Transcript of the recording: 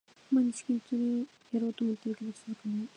毎日筋トレやろうと思ってるけど続かない